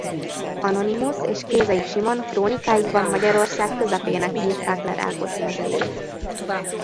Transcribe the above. Anonymus és Kézai Simon krónikáikban Magyarország közepének írták le Rákos mezejét.